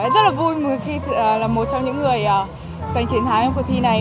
rất là vui khi là một trong những người giành chiến thái trong cuộc thi này